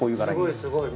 ◆すごい、すごい。